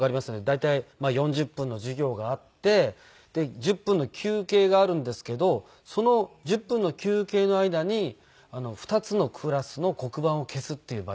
大体４０分の授業があってで１０分の休憩があるんですけどその１０分の休憩の間に２つのクラスの黒板を消すっていうバイトですね。